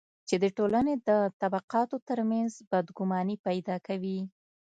چې د ټولنې د طبقاتو ترمنځ بدګماني پیدا کوي.